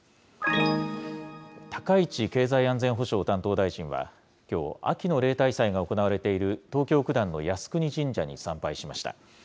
高市経済安全保障担当大臣は、きょう、秋の例大祭が行われている東京・九段の靖国神社に参拝しました。